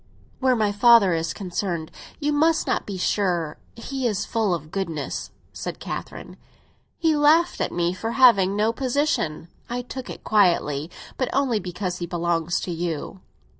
"Where my father is concerned, you must not be sure. He is full of goodness," said Catherine. "He laughed at me for having no position! I took it quietly; but only because he belongs to you."